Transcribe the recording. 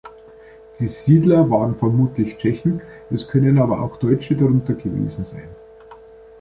Die Siedler waren vermutlich Tschechen, es können aber auch Deutsche darunter gewesen sein.